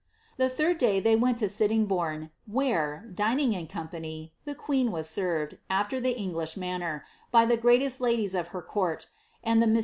The third day ihey wen to Sitiingbourne, where, dining in company, the queen was served, afie the English manner, by the greatest ladies of her court, and the moa